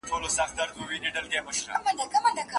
املا د سواد اساسي ګام دی.